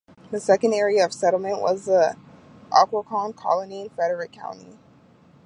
The second area of settlement was the Opequon colony in Frederick County.